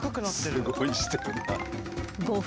すごいしてるな。